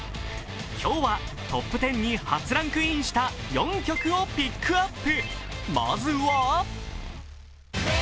今日はトップ１０に初ランクインした４曲をピックアップ。